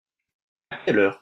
À quelle heure ?